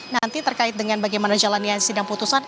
nanti terkait dengan bagaimana jalannya sidang putusan